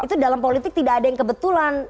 itu dalam politik tidak ada yang kebetulan